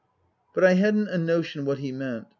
But I hadn't a notion what he meant.